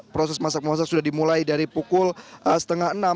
proses masak masak sudah dimulai dari pukul setengah enam